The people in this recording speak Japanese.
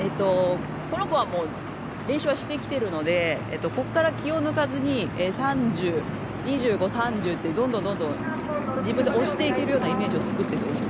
この子はもう練習はしてきてるのでここから気を抜かずに２５、３０ってどんどん自分で押していけるようなイメージを作ってってほしい。